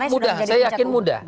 mudah saya yakin mudah